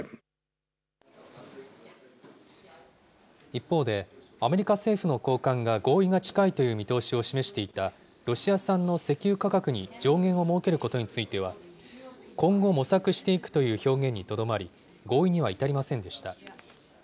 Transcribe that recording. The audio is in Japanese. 一方で、アメリカ政府の高官が合意が近いという見通しを示していた、ロシア産の石油価格に上限を設けることについては、今後模索していくという表現にとどまり、合意には至りませんでした。